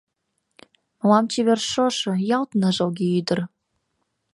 Мылам чевер шошо — ялт ныжылге ӱдыр.